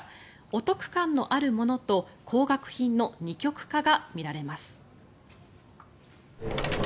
お得感のあるものと高額品の二極化が見られます。